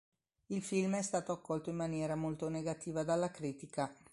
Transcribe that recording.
Il film è stato accolto in maniera molto negativa dalla critica.